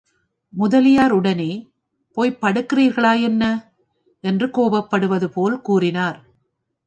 முதலியார் உடனே, போய்ப் படுக்கிறீர்களா என்ன? என்று கோபப்படுவது போல் கூறினார்.